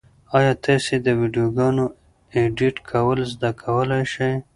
ایا تاسو د ویډیوګانو ایډیټ کول زده کولای شئ؟